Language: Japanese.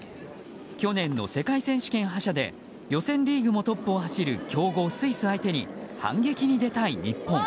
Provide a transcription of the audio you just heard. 去年の世界選手権覇者で予選リーグもトップを走る強豪スイス相手に反撃に出たい日本。